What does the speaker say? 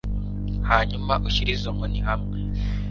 hanyuma ushyire izo nkoni hamwe